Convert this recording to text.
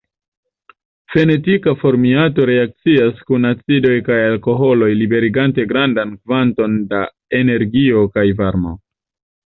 Fenetila formiato reakcias kun acidoj kaj alkoholoj liberigante grandan kvanton da energio kaj varmo.